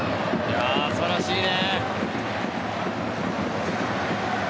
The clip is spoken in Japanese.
素晴らしいね。